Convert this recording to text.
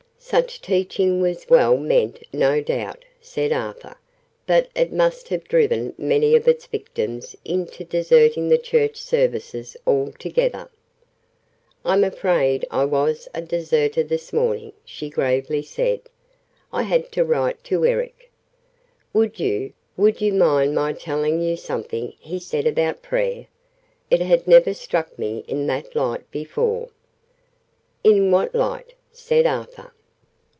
"Such teaching was well meant, no doubt," said Arthur; "but it must have driven many of its victims into deserting the Church Services altogether." "I'm afraid I was a deserter this morning," she gravely said. "I had to write to Eric. Would you would you mind my telling you something he said about prayer? It had never struck me in that light before." "In what light?" said Arthur.